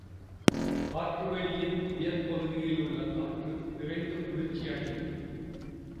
காற்றுவெளியின் உயர்பகுதிகளிலுள்ள காற்று விரைந்து குளிர்ச்சியடையும்.